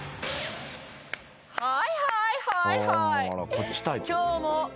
はいはいはいはい。